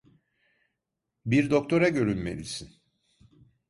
Bir doktora görünmelisin.